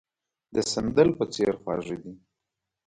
د سندل په څېر خواږه دي.